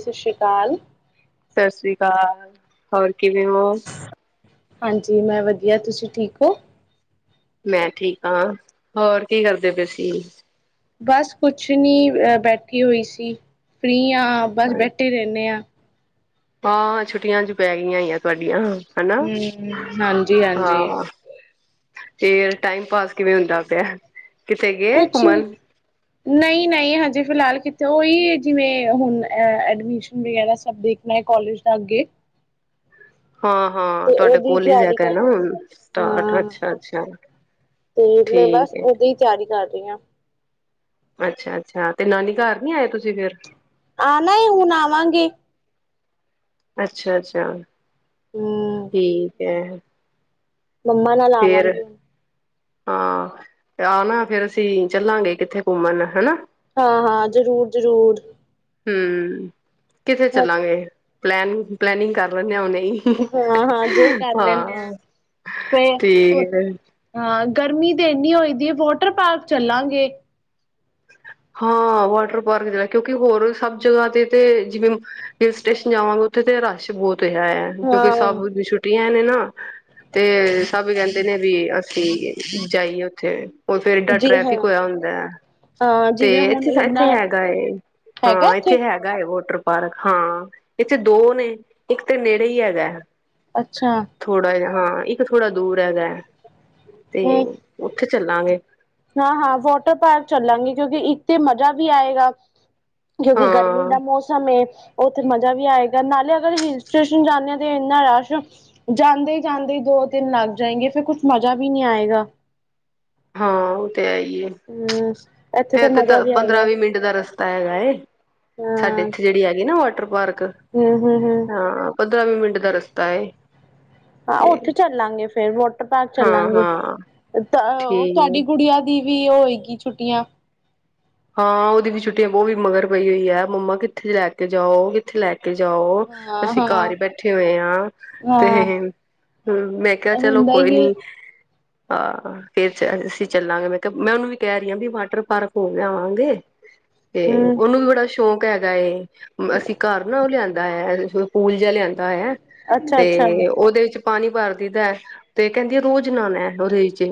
ਸਤਿ ਸ਼੍ਰੀ ਅਕਾਲ ਸਤਿ ਸ਼੍ਰੀ ਅਕਾਲ ਹੋਰ ਕਿਵੇਂ ਹੋ? ਹਾਂਜੀ ਮੈਂ ਵਧੀਆ ਤੁਸੀਂ ਠੀਕ ਹੋ ਮੈਂ ਠੀਕ ਹਾਂ ਹੋਰ ਕੀ ਕਰਦੇ ਪਏ ਸੀ ਬਸ ਕੁਛ ਨੀ ਅ ਬੈਠੀ ਹੋਈ ਸੀ ਫ੍ਰਰੀ ਆਂ ਹਾਂ ਬਸ ਬੈਠੇ ਹੀ ਰਹਿੰਦੇ ਹਾਂ ਹਾਂ ਛੁੱਟੀਆਂ ਚ ਪੈ ਗਈਆਂ ਆ ਤੁਹਾਡੀਆਂ ਹਨਾ। ਹਮ ਹਾਂਜੀ ਹਾਂਜੀ ਫ ਟਾਈਮ ਪਾਸ ਕਿਵੇਂ ਹੁੰਦਾ ਪਿਆ? ਕਿਤੇ ਗਏ ਕੁਛ ਘੁੰਮਣ? ਨਹੀਂ ਨਹੀਂ ਹਜੇ ਫਿਲਹਾਲ ਕਿੱਥੇ ਹੀ ਜਿਵੇਂ ਹੁਣ ਐਡਮਿਸ਼ਨ ਵਗੈਰਾ ਸਭ ਦੇਖਣਾ ਹੈ ਕਾਲਜ ਦਾ ਅੱਗੇ ਹਾਂ ਹਾਂ ਤੇ ਤੁਹਾਡੇ ਉਹਦੀ ਕੋਲ ਹੀ ਜਾ ਤਿਆਰੀ ਕੇ ਕਰ ਨਾ ਸਟਾਰਟ ਹਾਂ ਅੱਛਾ ਅੱਛਾ ਠੀਕ ਹੈ ਆਂ ਅੱਛਾ ਅੱਛਾ ਤੇ ਨਾਨੀ ਘਰ ਨੀ ਆਏ ਤੁਸੀਂ ਫਿਰ? ਆ ਨਈ ਹੁਣ ਆਵਾਂਗੀ। ਅੱਛਾ-ਅੱਛਾ ਹਮ ਠੀਕ ਐ ਮੈ ਲੇ ਆਵਾਂਗੇ ਹੁਨ ਹਾਂ ਤੇ ਆ ਨਾ ਫੇਰ ਅਸੀਂ ਚੱਲਾਂ ਗੇ ਕਿੱਥੇ ਘੁੰਮਣ ਹਾਂ-ਹਾਂ ਜ਼ਰੂਰ-ਜ਼ਰੂਰ ਹੂੰ ਕਿੱਥੇ ਚੱਲਾਂਗੇ ਪਲੈਨ ਪਲੈਨਿੰਗ ਕਰ ਲੈਂਨੇ ਆ ਹੂਨੇ ਹੀ ਹਾਂ-ਹਾਂ ਜੋ ਕਰ ਲੈਂਨੇ ਆ ਫੇਰ ਉਹ ਹਾਂ ਗਰਮੀ ਤੇ ਇੰਨੀ ਹੋਈ ਦੀ ਏ ਵੋਟਰ ਪਾਰਕ ਚੱਲਾਂਗੇ ਹਾਂ ਵਾਟਰ ਪਾਰਕ ਜਾ ਕੇ ਕਿਊ ਕਿ ਸਭ ਜਗ੍ਹਾ ਤੇ ਜਿਵੇਂ [unintelligible] ਲਿਆਵਾਂਗੇ ਉਥੇ ਰਸ਼ ਬਹੁਤ ਹੈ [unintelligible] ਕਿਉਂਕਿ ਹਾਂ ਸਭ ਦੀ ਛੁੱਟੀਆਂ ਐ ਨਾ ਤੇ ਸਭ ਕਹਿੰਦੇ ਦੇ ਨੇ ਵੀ ਅਸੀਂ ਜਾਈਏ ਉੱਥੇ ਉਹ ਫੇਰ ਏਡਾ ਜੀ ਹਾਂ ਟ੍ਰੈਫਿਕ ਹੋਇਆ ਹੁੰਦਾ ਐ ਹਾਂ ਤੇ ਜਿਵੇਂ ਹੁਣ ਇੱਥੇ ਤਾਂ ਇੱਥੇ ਇੰਨਾ ਹੈਗਾ ਏ ਹਾਂ ਇੱਥੇ ਹੈਗਾ ਏ ਵੋਟਰ ਪਾਰਕ ਹਾਂ ਇੱਥੇ ਦੋ ਨੇ ਇੱਕ ਤੇ ਨੇੜੇ ਹੀ ਹੈਗਾ ਅੱਛਾ। ਥੋੜਾ ਜਿਹਾ ਹਾਂ ਇੱਕ ਥੋੜਾ ਦੂਰ ਹੈਗਾ ਐ ਤੇ ਹੂੰ ਉੱਥੇ ਚੱਲਾਂਗੇ ਹਾਂ-ਹਾਂ ਵੋਟਰ ਪਾਰਕ ਚੱਲਾਂਗੇ ਕਿਉਂਕਿ ਇੱਥੇ ਮਜ਼ਾ ਵੀ ਆਏਗਾ ਕਿਉਂਕਿ ਗਰਮੀ ਹਾਂ ਦਾ ਮੌਸਮ ਏ ਉੱਥੇ ਮਜ਼ਾ ਵੀ ਆਏਗਾ ਨਾਲੇ ਅਗਰ ਹਿਲ ਸਟੇਨ ਜਾਂਦੇ ਆ ਤੇ ਇਨਾ ਰਸ਼, ਜਾਂਦੇ ਜਾਂਦੇ ਹੀ ਦੋ ਤਿੰਨ ਲੱਗ ਜਾਏਗੇ ਫਿਰ ਕੁਛ ਮਜਾ ਵੀ ਨਹੀ ਆਏਗਾ। ਹਾਂ- ਇਹੀ ਏ ਹੂੰ ਇੱਥੇ ਫ ਤੇ ਉਥ ਮਜ਼ਾ ਤਾਂ ਵੀ ਪੰਦਰਾਂ ਆਏਗਾ ਵੀਹ ਮਿੰਟ ਦਾ ਰਸਤਾ ਹੈਗਾ ਏ ਸਾਡੇ ਹਾਂ ਇੱਥੇ ਜਿਹੜੀ ਹੈਗੀ ਨਾ ਵਾਟਰ ਪਾਰਕ ਹੂੰ-ਹੂੰ-ਹੂੰ ਹਾਂ। ਪੰਦਰਾਂ ਵੀ ਮਿੰਟ ਦਾ ਰਸਤਾ ਹੈ। ਹਾਂ ਤੇ ਉੱਥੇ ਚੱਲਾਂਗੇ ਫੇਰ ਵੋਟਰ [unintelligible] ਹਾਂ ਚੱਲਾਂਗੇ ਹਾਂ ਤਾਂ ਓ ਤੁਹਾਡੀ ਠੀਕ ਗੁੱਡੀਆ ਦੀ ਵੀ ਓ ਹੋਏਗੀ ਛੁੱਟੀਆਂ ਹਾਂ ਉਹਦੀ ਵੀ ਛੁੱਟੀਆਂ ਬਹੁ ਵੀ ਮਗਰ ਪਈ ਹੋਈ ਐ ਮੰਮਾ ਕਿੱਥੇ ਲੈ ਕੇ ਜਾਓ ਕਿੱਥੇ ਲੈ ਕੇ ਕੇ ਜਾਓ ਹਾਂ ਅਸੀਂ ਘਰ ਹਾਂ ਹੀ ਬੈਠੇ ਹੋਏ ਆ ਤੇ ਹਾਂ ਹੂੰ ਮੈਂ ਕਿਹਾ ਚਲੋ ਹੁੰਦਾ ਕੋਈ ਹੀ ਏ। ਨੀ ਆਹ ਫੇਰ ਅਸੀਂ ਚੱਲਾਂਗੇ ਮੈਂ ਕਿਹਾ ਮੈਂ ਉਹਨੂੰ ਵੀ ਕਹਿ ਰਹੀ ਆ ਵੀ ਵਾਟਰ ਪਾਰਕ ਹੋ ਲਿਆਵਾਂਗੇ ਤੇ ਹੂੰ ਉਹਨੂੰ ਵੀ ਬੜਾ ਸ਼ੌਕ ਹੈ ਗਾ ਇਹ ਅਸੀਂ ਘਰ ਨਾ ਉਹ ਲਿਆਂਦਾ ਹੈ। ਸਕੂਲ ਜੇਆ ਲਿਆਂਦਾ ਹੈ। ਅੱਛਾ ਅੱਛਾ ਤੇ, ਉਹਦੇ ਵਿੱਚ ਪਾਣੀ ਭਰ ਦੇਈਦਾ ਤੇ ਕਹਿੰਦੀ ਹੈ ਰੋਜ਼ ਨਾਨਣਾ ਹੈ। ਉਹਦੇ ਵਿੱਚ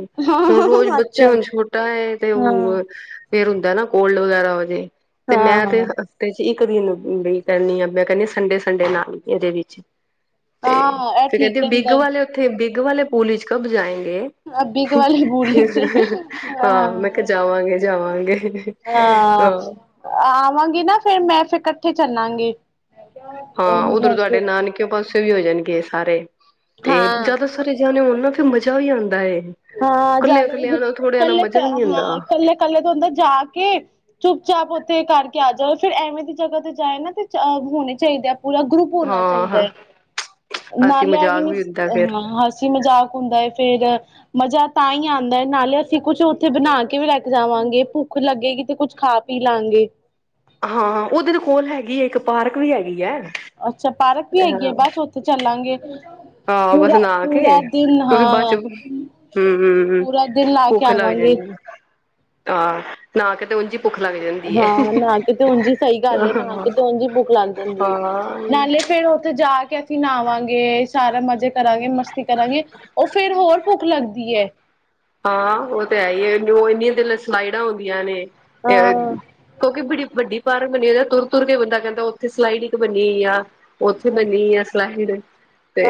ਹੁਣ ਰੋਜ਼ ਹਾਂ ਬੱਚੇ ਅੱਛਾ ਹੁਣ ਛੋਟਾ ਹੈ। ਤੇ ਹਾਂ ਉਹ ਫੇਰ ਹੁੰਦਾ ਕੀ ਕੋਲਡ ਵਗੈਰਾ ਹੋ ਦਏ। ਤੇ ਹਾਂ ਮੈਂ ਤੇ ਹਾਂ। ਹਫਤੇ ਵਿੱਚ ਇੱਕ ਦਿਨ ਕਹਨੀ ਆ ਮੈਂ ਕਹਨੀ ਦੀ ਸੰਡੇ -ਸੰਡੇ ਨਹਾ ਲੈ ਇਹਦੇ ਵਿੱਚ ਤੇ ਹਾਂ ਇਹ ਫਿਰ ਠੀਕ ਕਹਿੰਦੀ ਬਿੱਗ ਰਹਿੰਦਾ ਵਾਲੇ ਹੈ ਉੱਥੇ ਬਿੱਗ ਉਹ ਵਾਲੇ ਪੂਲ ਵਿਚ ਕਬ ਜਾਏ। ਬਿਗ ਵਾਲੀ ਬੋਲੀ ਚ ਹਾਂ, ਮੈਂ ਕਿਹਾ -ਜਾਵਾਂਗੇ, ਜਾਵਾਂਗੇ। [unintelligible] ਹਾਂ, ਆਵਾਂਗੀ ਨਾ ਫੇਰ ਮੈਂ ਫੇਰ ਇਕੱਠੇ ਚੱਲਾਂਗੇ। ਹਾਂ, ਉਹਨੂੰ ਉੱਧਰ ਲੈ ਕੇ ਤੁਹਾਡੇ ਨਾਨਕੇ ਪਾਸੇ ਵੀ ਹੋ ਜਾਣਗੇ ਸਾਰੇ। ਤੇ ਹਾਂ ਜਿਆਦਾ ਸਾਰੇ ਜਾਣੇ ਹੋਣ ਨਾ ਮਜ਼ਾ ਵੀ ਆਂਦਾ ਏ। ਹਾਂ, ਕੱਲਿਆਂ ਜ਼ਿਆਦਾ ਕੱਲਿਆਂ ਨਾਲ ਥੋੜਿਆਂ ਨਾਲ ਮਜ਼ਾ ਜ-ਕੱਲੇ-ਕੱਲੇ ਵੀ ਨੀ ਆਉਂਦਾ ਹਾਂ, ਕੱਲੇ-ਕੱਲੇ ਤੋਂ ਅੰਦਰ ਜਾ ਕੇ, ਚੁੱਪ ਚਾਪ ਤੇ ਕਰਕੇ ਆ ਜਾਓ, ਫਿਰ ਐਵੇਂ ਦੀ ਜਗ੍ਹਾ ਤੇ ਜਾਏ ਨਾ ਤੇ ਚ ਹੋਣੇ ਚਾਹੀਦੇ ਆ। ਪੂਰਾ ਗਰੁੱਪ ਹੋਣਾ ਹਾਂ ਚਾਹੀਦਾ ਹਾਂ ਹੈ। ਅਸੀਂ ਨਾਲੇ ਏਵੀ ਮਜ਼ਾਕ ਨੀ ਵੀ ਹੁੰਦਾ ਫੇਰ ਹ ਹੱਸੀ- ਮਜ਼ਾਕ ਹੁੰਦਾ ਹੈ, ਫੇਿਰ ਜ ਮਜ਼ਾ ਤਾਂ ਹੀ ਆਉਂਦਾ ਹੈ, ਨਾਲੇ ਅਸੀਂ ਕੁਛ ਉੱਥੇ ਬਣਾ ਕੇ ਵੀ ਲੈ ਕੇ ਜਾਵਾਂਗੇ। ਭੁੱਖ ਲੱਗੇਗੀ ਤੇ ਕੁਛ ਖਾ ਪੀ ਲਾਗੇਂ। ਹਾਂ, ਉਦਰ ਕੋਲ ਹੈਗੀ ਹੈ, ਇੱਕ ਪਾਰਕ ਵੀ ਹੈਗੀ ਹੈ। ਅੱਛਾ, ਪਾਰਕ ਵੀ ਹੈਗੀ ਆ, ਬਸ ਉੱਥੇ ਚੱਲਾਂਗੇ। ਆਹੋ ਬਸ ਪੂਰਾ ਨਹਾ ਪੂਰਾ ਕੇ, ਦਿਨ ਕਿਉਂਕਿ ਬਾਦ ਚ ਹਾਂ ਹੁੰ-ਹੁੰ-ਹੁੰ ਪੂਰਾ ਦਿਨ ਲਾ ਕੇ ਭੁੱਖ ਲੱਗ ਆਵਾਂਗੇ ਜਾਂਦੀ ਆ। ਹਾਂ। ਨਹਾ ਕੇ ਤੇ ਉਝ ਹੀ ਭੁੱਖ ਲੱਗ ਜਾਂਦੀ ਹੈ ਹਾਂ, ਨਹਾ ਕਿਤੇ ਹੁਣ ਜ ਸਹੀ ਗੱਲ ਹੇ। ਨਾਲ ਹਾਂ ਕਿਤੇ ਹੁਣ ਜ ਹੀ ਭੁੱਖ ਲੱਗ ਜਾਂਦੀ ਹੈ, ਹਾਂ, ਨਾਲੇ ਫੇਰ ਉੱਥੇ ਜਾ ਕੇ ਕਿ ਨਾਵਾਂਗੇ ਜ ਸਾਰੇ ਮਜ਼ੇ ਕਰਾਂਗੇ, ਮਸਤੀ ਕਰਾਂਗੇ, ਉਹ ਫੇਰ ਹੋਰ ਭੁੱਖ ਲੱਗਦੀ ਹੈ। ਹਾਂ ਉਹ ਤੇ ਹੈ ਹੀ ਹੇ, ਜੋ ਇੰਨੀਆਂ ਦਿਲ ਸਮਾਈਲਾ ਹੁੰਦੀਆਂ ਨੇ ਅ ਹਾਂ ਕਿਉਕਿ ਬੜੀ ਵੱਡੀ ਬਾਹਰ ਬਨੀ ਜਾਂ ਤੁਰ- ਤੁਰ ਕੇ ਬੰਦਾ ਕਹਿੰਦਾ, ਉੱਥੇ ਸਲਾਈਡ ਇੱਕ ਬਨੀ ਹੋਈ ਆ। ਉੱਥੇ ਬਣੀ ਆ ਸਲਈਡ।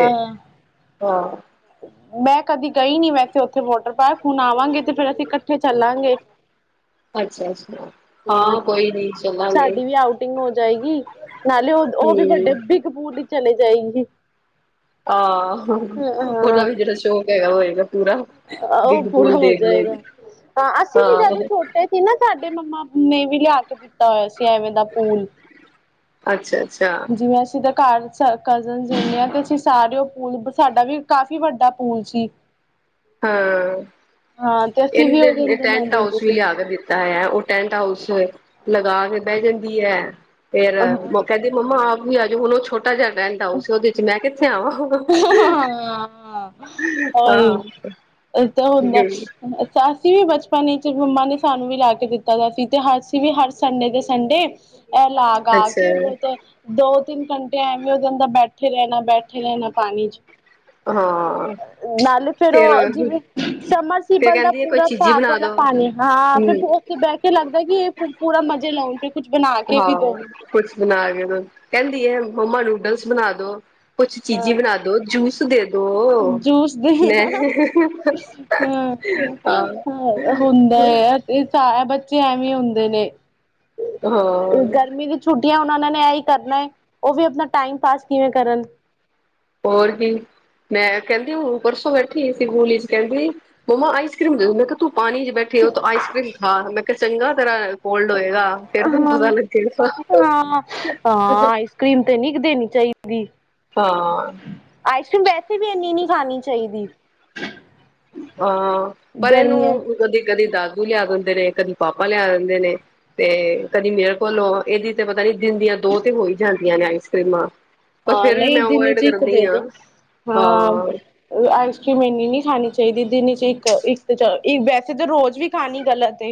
ਆਹ ਹਾਂ। ਮੈਂ ਕਦੀ ਗਈ ਨੀ ਵੈਸੇ ਉੱਥੇ ਵੋਟਰ ਪਾਰਕ। ਹੁਣ ਆਵਾਂਗੇ ਤੇ ਫੇਰ ਅਸੀਂ ਇਕੱਠੇ ਚੱਲਾਂਗੇ। ਅੱਛਾ-ਅੱਛਾ ਹਾਂ ਕੋਈ ਨੀ ਚਲਾਂਗੇ। ਸਾਡੀ ਵੀ ਆਊਟਿੰਗ ਹੋ ਜਾਏਗੀ ਨਾਲੇ ਉਹ-ਉਹ ਵੀ ਵੱਡੇ ਬਿੱਗ ਪੁਲ ਦੀ ਚਲੇ ਜਾਏਗੀ। ਆਹ, ਉਹ ਵੀ ਜਿਹੜਾ ਸ਼ੌਕ ਹੈਗਾ ਵਾ [unintelligible] ਅ ਅ ਉਹ ਪੂਰਾ ਹੋ ਜਾਏਗਾ। ਹਾਂ ਅਸੀਂ ਵੀ ਜਦੋਂ ਹਾਂ ਛੋਟੇ ਸੀ ਨਾ ਸਾਡੇ ਤੇ ਮੰਮਾ ਨੇ ਵੀ ਲਿਆ ਕੇ ਦਿੱਤਾ ਹੋਇਆ ਸੀ ਐਵੇਂ ਦਾ ਪੂਲ ਅੱਛਾ। ਅੱਛਾ ਜਿਵੇਂ ਅਸੀਂ ਤਾਂ ਘਰ ਸਾ ਕਜ਼ਨਸ ਹੁੰਨੇ ਆ ਤੇ ਅਸੀਂ ਸਾਰੇ ਉਹ ਪੂਲ ਪ-ਸਾਡਾ ਵੀ ਕਾਫੀ ਵੱਡਾ ਪੂਲ ਸੀ। ਹਾਂ, ਹਾਂ ਤੇ ਅਸੀਂ ਵੀ ਉਹਦੇ ਇਹ ਅੰਦਰ ਟੈਂਟ ਨਹਾਂਦੇ ਹੁੰਦੇ ਹਾਊਸ ਵੀ ਸੀ। ਲਿਆ ਕੇ ਦਿੱਤਾ ਹੈ ਉਹ ਟੈਂਟ ਹਾਊਸ ਗ ਕੇ ਬਹਿ ਜਾਂਦੀ ਹੈ ਫੇਰ ਉਹ ਕਹਿੰਦੀ ਮੰਮਾ ਨਹੀਂ ਹਜੇ ਓ ਛੋਟਾ ਛੋਟਾ ਜਾ ਟੈਂਟ ਹਾਊਸ ਉਹਦੇ ਚ [unintelligible] ਹਾਂ [unintelligible] ਹਾਂ। ਉਹ ਤਾਂ ਹੁੰਦਾ ਅਸੀਂ ਵੀ ਬਚਪਨ ਵਿੱਚ ਮੰਮਾ ਨੇ ਸਾਨੂੰ ਵੀ ਲਾ ਕੇ ਦਿੱਤਾ ਦਾ ਸੀ ਤੇ ਅਸੀਂ ਵੀ ਹਰ ਸੰਡੇ ਦੇ ਸੰਡੇ ਐ ਲਗ ਆ ਅੱਛਾ ਕੇ [unintelligible] ਤਿੰਨ ਘੰਟੇ ਐਵੇਂ ਉਹਦੇ ਅੰਦਰ ਬੈਠੇ ਰਹਿਣਾ ਬੈਠੇ ਰਹਿਣਾ ਪਾਣੀ ਚ। ਹਾਂ ਨਾਲੇ ਫੇਰ ਉਹ ਜਿਵੇਂ ਸਮਰ ਸੀਬਲ ਦਾ ਕਹਿੰਦੀ ਹੈ ਕੋਈ ਪੂਰਾ ਚੀਜ਼ੀ ਭਾਕ ਬਣਾ ਵਾਲਾ ਦੋ ਪਾਣੀ ਹਾਂ ਫਿਰ ਹਮ ਉੱਥੇ ਬਹਿ ਕੇ ਲੱਗਦਾ ਕਿ ਇਹ ਪੂਰਾ ਮਜ਼ੇ ਲਾਉਣ ਫਿਰ ਹਾਂ, ਕੁਛ ਬਣਾ ਕੇ ਦੋ ਕਹਿੰਦੀ ਹੈ ਮੰਮਾ ਨੂਡਲਸ ਬਣਾ ਦੋ ਕੁਛ ਚੀਜ਼ੀ ਹਾਂ ਬਣਾ ਦੋ ਜੂਸ [unintelligible] ਜੂਸ ਦੇ ਮੈਂ ਹਾਂ ਹਮ ਹੁੰਦਾ ਆ ਤੇ ਸ ਬੱਚੇ ਐਵੇਂ ਹੁੰਦੇ ਨੇ ਹਾਂ ਗਰਮੀ ਦੀ ਛੁੱਟੀਆਂ ਉਹਨਾਂ ਨੇ ਐਹੀ ਕਰਨਾ ਉਹ ਵੀ ਆਪਣਾ ਟਾਈਮ ਪਾਸ ਕਿਵੇਂ ਕਰਨ ਹੋਰ ਵੀ ਮੈਂ ਕਹਿੰਦੀ ਉਹ ਪਰਸੋਂ ਬੈਠੀ ਸੀੂਲੀ ਚ ਕਹਿੰਦੀ ਮੰਮਾ ਆਈਸ ਕਰ੍ਰੀਮ ਦੇ ਦਿੰ ਮ ਤੂੰ ਪਾਣੀ ਚ ਬੈਠੇ ਹੋ ਆਈਸ ਕਰ੍ਰੀਮ ਖਾ ਮੈਂ ਚੰਗਾ ਤਰ੍ਹਾਂ ਹਾਂ ਹਾਂ ਹਾਂ ਆਈਸ ਕਰ੍ਰੀਮ ਤੇ ਨੀ ਕੁ ਦੇਣੀ ਚਾਹੀਦੀ ਆਈਸਕ੍ਰੀਮ ਵੈਸੇ ਵੀ ਇਨੀ ਨੀ ਖਾਣੀ ਚਾਹੀਦੀ ਹਾਂ ਪਰ ਗਰਮੀਆਂ ਇਹਨੂੰ ਕਦੀ ਕਦੀ ਦਗ ਦਾਦੂ ਲਿਆ ਦਿੰਦੇ ਨੇ ਕਦੀ ਪਾਪਾ ਲਿਆ ਦਿੰਦੇ ਨੇ ਤੇ ਕਦੀ ਮੇਰੇ ਕੋਲੋਂ ਇਹਦੀ ਤੇ ਪਤਾ ਨੀ ਦਿਨ ਦੀਆਂ ਦੋ ਤੇ ਹੋ ਹੀ ਜਾਂਦੀਆਂ ਨੇ ਆਈਸਕ੍ਰੀਮਾਂ ਹਾਂ ਨਹੀਂ ਦਿਨੇ ਚ ਇੱਕ ਦੇ ਦੋ ਹਾਂ ਆਈਸਕ੍ਰੀਮ ਇੰਨੀ ਨਹੀਂੀ ਖਾਣੀਹੀ ਚਾਹੀਦੀ ਦਿਨੀ ਚ ਇੱਕ ਇੱਕ ਤਾਂ ਵੈਸੇ ਤਾਂ ਰੋਜ਼ ਵੀ ਖਾਣੀ ਗਲਤ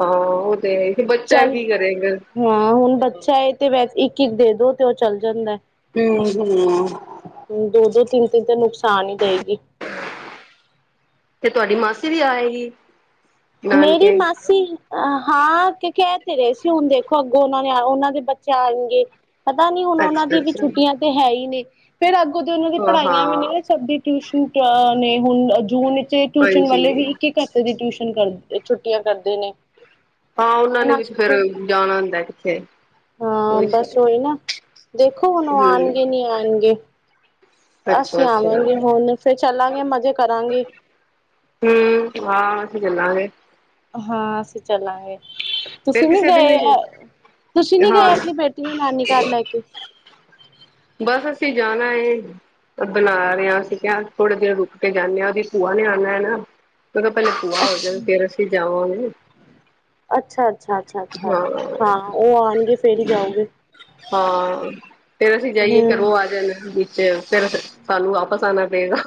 ਹਾਂ ਤੇ ਬੱਚਾ ਚੱਲ ਕੀ ਕਰੇਗਾ ਹਾਂ ਹੁਣ ਬੱਚਾ ਤੇ ਵੈਸੇ ਇੱਕ ਕੀ ਦੇ ਦੋ ਤੇ ਉਹ ਚੱਲ ਜਾਂਦਾ ਹ ਹਮ ਹਮ ਦੋ ਦੋ ਤਿੰਨ ਤਿੰਨ ਤੇ ਨੁਕਸਾਨ ਤਾਂ ਨੀ ਦਾਈਦੀ ਤੇ ਤੁਹਾਡੀ ਮਾਸੀ ਵੀ ਆ ਰਹੀ ਹੈ। ਮੇਰੀ ਮਾਸੀ ਹਾਂ ਕਿਉਂਕਿ ਕੈ ਤਾਂ ਰਹੇ ਸੀ ਹੁਣ ਦੇਖੋ ਅੱਗੋਂ ਉਹਨਾਂ ਨੇ ਉਹਨਾਂ ਦੇ ਬੱਚੇ ਆਣਗੇ। ਪਤਾ ਨੀ ਹੁਣ ਉਹਨਾਂ ਅੱਛਾ ਦੀ ਵੀ ਅੱਛਾ ਛੁੱਟੀਆਂ ਤੇ ਹੈ ਹੀ ਨੇ, ਫਿਰ ਅੱਗੇ। ਅੱਗੇ ਉਹਨਾਂ ਦੀ ਹਾਂ ਪੜ੍ਹਾਈਆਂ ਵੀ ਹਾਂ ਨੀ ਹੋ ਸਕਦੀ, ਟਿਊਸ਼ਨ ਹੁਣ ਤਾਂ ਨਹੀਂ ਹੁਣ ਵਿੱਚ ਜੂਨ, ਤੇ ਟਿਊਸ਼ਨ ਹਾਂਜੀ ਵਾਲੇ ਵੀ ਇੱਕ ਇੱਕ ਘੰਟੇ ਦੀ ਟਿਊਸ਼ਨ ਕਰ ਛੁੱਟੀਆਂ ਕਰਦੇ ਨੇ, ਹਾਂ ਉਹਨਾਂ ਨੇ ਹੁਣ ਵੀ ਅੱਜ ਫੇਰ ਜਾਣਾ ਹੁੰਦਾ। ਜੇ, ਹਾਂ ਬਸ ਉਹੀ ਨਾ ਦੇਖੋ ਹੁਣ ਆਣ ਵੀ ਨਹੀਂ ਆਣਗੇ। ਅੱਛਾ ਅਸੀਂ ਆਵਾਂਗੇ ਹੁਣ ਫਿਰ ਚੱਲਾਂਗੇ ਮਜ਼ੇ ਕਰਾਂਗੇ। ਹਮ ਹਾਂ ਅਸੀਂ ਚੱਲਾਂਗੇ ਹਾਂ ਸੱਚੀ। ਚੱਲਾਂਗੇ ਫੇਰ ਤੁਸੀਂ ਨੀ ਕਿਸੇ ਦਿਨ ਗਏ ਅ ਤੁਸੀਂ ਨੀ ਹਾਂ ਗਏ ਆਪਣੀ ਬੇਟੀ ਨੂੰ ਨਾਨੀ ਘਰ ਲੈ ਕੇ? ਬਸ ਅਸੀਂ ਜਾਣਾ ਏ ਬਣਾ ਰਹੇ ਹਾਂ ਅਸੀਂ ਕਿਹਾ ਥੋੜੇ ਦਿਨ ਰੁਕ ਕੇ ਜਾਂਣੇ ਹਾਂ ਉਹਦੀ ਭੂਆ ਨੇ ਆਣਾ ਹੈ ਨਾ। [unintelligible] ਕਿਹਾ ਪਹਿਲੇ ਭੂਆ ਹੋ ਅੱਛਾ। ਜਾਵੇ ਫੇਰ ਅਸੀਂ ਜਾਵਾਂਗੇ। ਅੱਛਾ ਅੱਛਾ, ਅੱਛਾ, ਅੱਛਾ ਹਾਂ, ਹਾਂ ਉਹ ਆਣਗੇ ਫੇਰ ਹੀ ਜਾਓਗੇ। ਹਾਂ ਫੇਰ ਅਸੀ ਜਾਈਏ ਫਿਰ ਹੂੰ, ਉਹ ਆ ਜਾਣ। ਚ ਫਿਰ ਸਾਨੂੰ ਵਾਪਸ ਆਣਾ ਪਏਗਾ।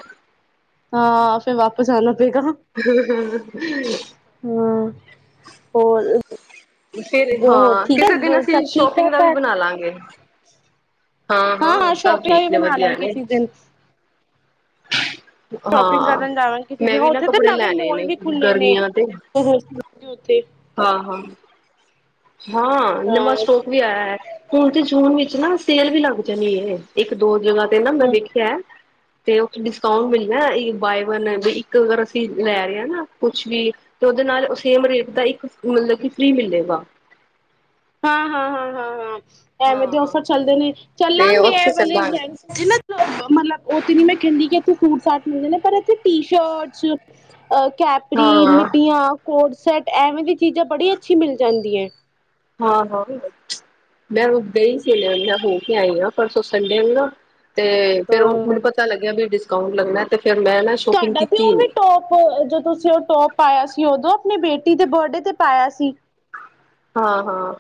ਹਾਂ ਫੇਰ ਵਾਪਿਸ ਆਣਾ ਪਏਗਾ। ਹਾਂ, ਹੋਰ ਫੇਰ ਹੋਰ ਹਾਂ ਠੀਕ ਕਿਸੇ ਦਿਨ ਹੈ ਸਭ ਅਸੀਂ ਠੀਕ ਸ਼ੋਪਿੰਗ ਠਾਕ ਦਾ ਵੀ ਘਰ? ਬਣਾਲਾਂਗੇ। ਹਾਂ-ਹਾਂ ਸ਼ਾਪਿੰਗ ਵੀ ਠੀਕ ਨੇ ਬਣਾ ਲਾਂਗੇ ਵਧੀਆ ਨੇ ਕਿਸੀ ਦਿਨ। ਸ਼ੋਪਿੰਗ ਹਾਂ ਕਰਨ ਜਾਵਾਂਗੀ ਕਿਸੇ ਮੈਂ ਦਿਨ ਵੀ ਨਾ ਉੱਥੇ ਤੇ ਕੱਪੜੇ ਨਵੇਂ ਲੈਣੇ ਮੋਲ ਨੇ ਵੀ ਖੁੱਲੇ ਨੇ ਗਰਮੀਆਂ [inaudible] ਹਾਂ-ਹਾਂ ਹਾਂ ਨਵਾ ਸਟੋਕ ਵੀ ਆਇਆ ਹੈ। ਹੁਣ ਤੇ ਜੂਨ ਵਿੱਚ ਨਾ ਸੇਲ ਵੀ ਲੱਗ ਜਾਣੀ ਹੈ ਇੱਕ-ਦੋ ਜਗ੍ਹਾ ਤੇ ਨਾ ਮੈਂ ਵੇਖਿਆ ਹੈ। ਤੇ ਉਥੇ ਡਿਸਕਾਊਂਟ ਮਿਲਣਾ ਬਾਏ ਵਨ ਐਂਡ ਇੱਕ ਅਗਰ ਅਸੀਂ ਲੈ ਰਹੇ ਆ ਨਾ ਕੁਛ ਵੀ ਤੇ ਉਹਦੇ ਨਾਲ ਸੇਮ ਰੇਟ ਦਾ ਇੱਕ ਮਤਲਬ ਕਿ ਫ੍ਰਰੀ ਮਿਲੇਗਾ। ਹਾਂ-ਹਾਂ-ਹਾਂ-ਹਾਂ-ਹਾਂ। ਐਵੇਂ ਦੇ ਹਾਂ ਔਫਰ ਚੱਲਦੇ ਨੇ ਤੇ ਚੱਲਾਂਗੇ ਐ ਉੱਥੇ ਚੱਲਾਂਗੇ ਵਥ ਨਾ ਮਤਲਬ ਉਹ ਤੇ ਨੀ ਮੈਂ ਕਹਿੰਦੀ ਕਿ ਤੂੰ ਸੂਟ ਸਾਟ ਮਿਲਦੇ ਨੇ ਪਰ ਇੱਥੇ ਟੀ ਸ਼ਰਟਸ ਅ ਕੈਪਰੀ ਹਾਂ ਮਿੱਡੀਆਂ ਕੋਰ ਸੈਟ ਐਵੇਂ ਦੀ ਚੀਜ਼ਾਂ ਬੜੀ ਅੱਛੀ ਮਿਲ ਜਾਂਦੀ ਹੈ ਹਾਂ ਹਾਂ ਮੈਂ ਗਈ ਸੀ ਲੈਣ ਮੈਂ [unintelligible] ਆਈ ਆ ਪਰਸੋ ਸੰਡੇ ਨੂੰ ਨਾ ਤੇ ਫੇਰ ਉਹ ਹਾਂ। ਮੈਨੂੰ ਪਤਾ ਲੱਗਿਆ ਵੀ ਡਿਸਕਾਉਂਟ ਲੱਗਣਾ ਤੇ ਫਿਰ ਤੁਹਾਡਾ ਪਿਓ ਵੀ ਟੋਪ ਜੋ ਤੁਸੀਂ ਟੋਪ ਪਾਇਆ ਸੀ ਉਦੋਂ ਆਪਣੀ ਬੇਟੀ ਦੇ ਬਰਥਡੇ ਤੇ ਪਾਇਆ ਸੀ ਹਾਂ-ਹਾਂ,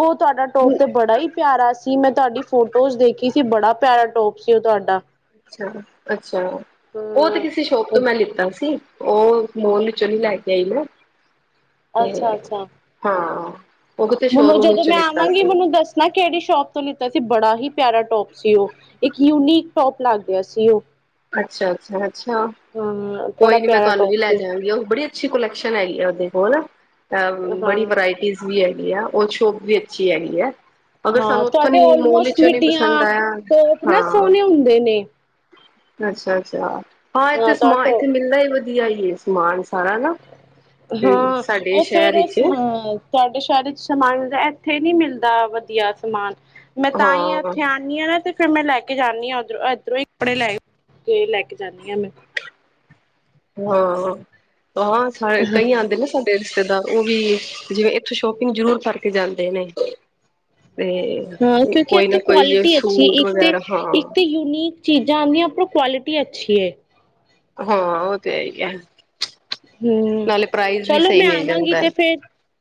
ਉਹ ਤੁਹਾਡਾ ਟੋਪ ਤੇ ਬੜਾ ਹੀ ਪਿਆਰਾ ਸੀ ਮੈਂ ਤੁਹਾਡੀ ਫੋਟੋਜ਼ ਦੇਖੀ ਸੀ ਬੜਾ ਪਿਆਰਾ ਟੋਪ [unintelligible] ਤੁਹਾਡਾ ਅੱਛਾ ਅੱਛਾ, ਅੱਛਾ ਉਹ ਤੇ ਹਾਂ। ਕਿਸੇ ਸ਼ੋਪ ਤੋਂ ਮੈਂ ਲਿੱਤਾ ਸੀ ਉਹ ਮੋਲ ਚੋ ਨੀ ਲੈ ਕੇ ਆਈ ਨਾ ਤੇ ਅੱਛਾ-ਅੱਛਾ। ਹਾਂ। ਉਹ ਕਿਤੇ ਮੈਨੂੰ ਸ਼ੋਰੂਮ ਜਦੋਂ ਵਿੱਚੋਂ ਮੈਂ ਲਿੱਤਾ ਆਵਾਂਗੀ ਸੀ। ਮੈਨੂੰ ਦੱਸਣਾ ਕਿਹੜੀ ਸ਼ੋਪ ਤੋਂ ਲਿੱਤਾ ਸੀ ਬੜਾ ਹੀ ਪਿਆਰਾ ਟੋਪ ਸੀ ਉਹ ਇੱਕ ਯੂਨੀਕ ਟੋਪ ਲੱਗ ਰਿਹਾ ਸੀ ਉਹ ਅੱਛਾ-ਅੱਛਾ-ਅੱਛਾ ਹਾਂ ਬੜਾ ਕੋਈ ਨੀ ਮੈਂ ਪਿਆਰਾ ਤੁਹਾਨੂੰ ਵੀ ਟੋਪ ਲੈ ਸੀ ਜਾਵਾਂਗੀ ਉਹ ਬੜੀ ਸ਼ ਕੋਲੈਕਸ਼ਨ ਹੈਗੀ ਆ ਉਹਦੇ ਕੋਲ ਅ ਬੜੀ ਹਾਂ। ਵਰਾਇਟੀਜ਼ ਵੀ ਹੈ। ਔਰ ਸ਼ੋਪ ਵੀ ਅੱਛੀ ਹੈਗੀ ਹੈ। ਅਗਰ ਹਾਂ ਸਾਨੂੰ ਉੱਥੋਂ ਤੁਹਾਡੇ ਨੀ ਮੋਲ ਓਲਮੋਸਟ ਵਿੱਚੋਂ ਨੀ ਪਸੰਦ ਮਿੱਡੀਆਂ ਆਇਆ ਟੋਪ ਨਾ ਹਾਂ ਸੋਹਣੇ ਹੁੰਦੇ ਨੇ। ਅੱਛਾ- ਅੱਛਾ। ਹਾਂ ਇੱਥੇ ਸਮ ਇੱਥੇ ਮਿਲਦਾ ਹੀ ਵਧਆ। ਆਈਏ ਸਮਾਨ ਸਾਰਾ ਨਾ ਹਾਂ ਸਾਡੇ ਉਹ ਸ਼ਹਿਰ ਫੇਰ ਉਹ ਵਿੱਚ ਹ ਤੁਹਾਡੇ ਸ਼ਹਿਰੀ ਚ ਸਮਗ ਇਥੇ ਨਹੀਂ ਮਿਲਦਾ ਵਧੀਆ ਸਮਾਨ ਮੈਂ ਤਾਂ ਹੀ ਹਾਂ ਇਥੇ ਆਣੀ ਹਾਂ ਨਾ ਤੇ ਫੇਰ ਮੈਂ ਲੈ ਕੇ ਜਾਂਣੀ ਹਾਂ ਉਧਰੋਂ ਇਧਰੋਂ ਹੀ ਕੱਪੜੇ ਲੈ ਕੇ ਲੈ ਕੇ ਜਾਂਣੀ ਆਾਂ ਮੈਂ ਹਾਂ। ਹਹ ਕਈ ਆਦੇ ਨੇ ਸਾਡੇ ਰਿਸ਼ਤੇਦਾਰ ਉਹ ਵੀ ਜਿਵੇਂ ਇੱਥੋਂ ਸ਼ੋਪਿ ਜਰੂਰ ਕਰਕੇ ਜਾਂਦੇ ਨੇ ਤੇ ਹਾਂ ਕਿਉਂਕਿ ਕੋਈ ਇੱਥੇ ਨਾ ਕੋਈ ਜੇ ਕੁਆਲਿਟੀ ਅੱਛੀ ਸੂਟ ਇੱਕ ਤੇ ਵਗੈਰਾ ਇੱਕ ਹਾਂ ਤੇ ਯੂਨੀਕ ਚੀਜ਼ਾਂ ਆਂਦੀਆਂ ਆਪਣਾ ਕੁਆਲਿਟੀ ਅੱਛੀ ਏ। ਹਾਂ ਉਹ ਤੇ ਹੈ ਹੀ ਏ। ਹਮ ਚਲੋ ਸਹੀ ਮੈਂ ਮਿਲ ਆਵਾਂਗੀ ਜਾਂਦਾ ਹੈ। ਤੇ ਫੇਰ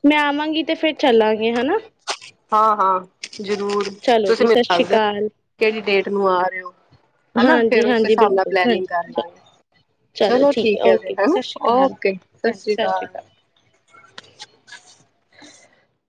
ਮੈਂ ਆਵਾਂਗੀ ਤੇ ਫੇਰ ਚੱਲਾਂਗੇ ਹਨਾ। ਹਾਂ- ਹਾਂ। ਜ਼ਰੂਰ ਚਲੋ ਤੁਸੀਂ ਜੀ ਸਤਿ ਮੈਨੂੰ ਸ੍ਰੀ ਦੱਸ ਦੱਸੋ ਅਕਾਲ ਕਿਹੜੀ ਡੇਟ ਨੂੰ ਆ ਰਹੇ ਹੋ? ਹਨਾ ਹਾਂਜੀ ਫੇਿਰ ਉਸ ਹਾਂਜੀ ਹਿਸਾਬ ਨਾਲ ਬਿਲਕੁਲ ਪਲਨਿੰਗ ਹਾਂਜੀ ਕਰ ਚ ਲਾਂਗੇ ਚਲੋ ਠੀਕ ਹੈ, ਓਕੇ ਫ ਜੀ ਹਨਾ ਸਤਿ ਸ਼੍ਰੀ ਅਕਾਲ ਓਕੇ ਸਤ ਹਾਂਜੀ ਸ੍ਰੀ ਸਤਿ ਸ਼੍ਰੀ ਅਕਾਲ।